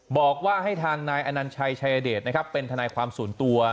บอกว่าให้ทางนายอนัญชัยชายเดชนะครับเป็นทนายความส่วนตัว